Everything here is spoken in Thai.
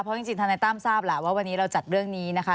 เพราะจริงธนายตั้มทราบแหละว่าวันนี้เราจัดเรื่องนี้นะคะ